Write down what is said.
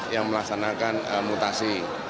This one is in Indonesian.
yang melaksanakan mutasi